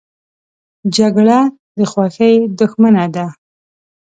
جګړه د خوښۍ دښمنه ده